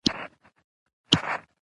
بې ځایه غوسه مه کوئ.